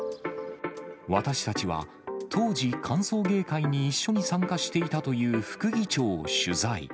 私たちは当時、歓送迎会に一緒に参加していたという副議長を取材。